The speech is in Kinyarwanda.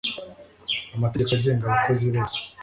Amategeko agenga abakozi bose